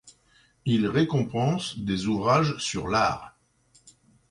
Il récompense des ouvrages sur l'art.